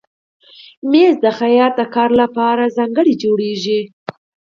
مېز د خیاط کار لپاره ځانګړی جوړېږي.